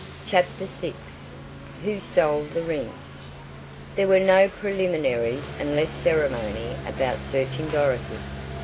CHAPTER VI WHO STOLE THE RING? There were no preliminaries and less ceremony about searching Dorothy.